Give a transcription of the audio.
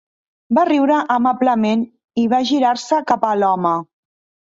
Va riure amablement i va girar-se cap a l'home.